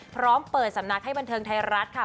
พร้อมเปิดสำนักให้บันเทิงไทยรัฐค่ะ